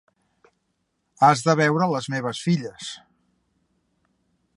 Has de veure les meves filles.